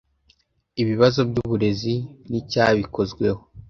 Ibibazo by’Uburezi n’Icyabikozweho